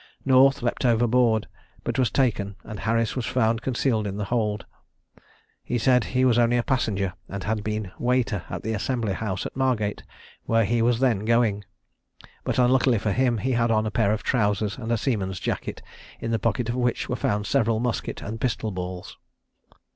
North leaped overboard, but was taken, and Harris was found concealed in the hold. He said that he was only a passenger, and had been waiter at the assembly house at Margate, where he was then going; but unluckily for him he had on a pair of trousers and a seaman's jacket, in the pockets of which were found several musket and pistol balls.